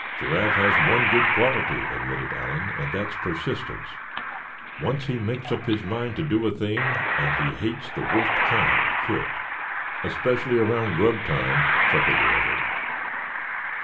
"Giraffe has one good quality," admitted Allan, "and that's persistance. Once he makes up his mind to do a thing and he hates the worst kind to quit." "Especially around grub time," chuckled the other.